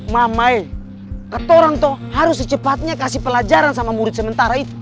mamai katorang tuh harus secepatnya kasih pelajaran sama murid sementara itu